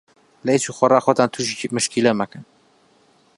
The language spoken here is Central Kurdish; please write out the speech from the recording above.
لە هیچ و خۆڕا خۆتان تووشی مشکیلە مەکەن.